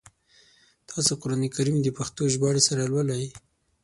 تاسو قرآن کریم د پښتو ژباړي سره لولی ؟